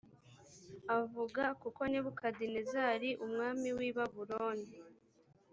avuga kuko nebukadinezari umwami w i babuloni